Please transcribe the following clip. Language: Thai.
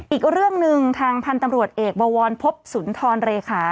อีกเรื่องหนึ่งทางพันธุ์ตำรวจเอกบวรพบสุนทรเลขา